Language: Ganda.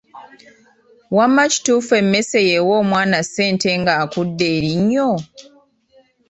Wamma kituufu emmese y'ewa omwana ssente ng'akudde erinnyo?